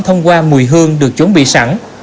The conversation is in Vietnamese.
thông qua mùi hương được chuẩn bị sẵn